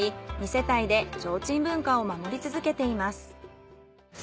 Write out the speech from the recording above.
世帯で提灯文化を守り続けています。